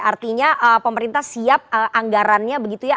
artinya pemerintah siap anggarannya begitu ya